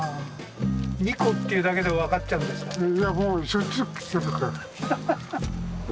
２個って言うだけで分かっちゃうんですね。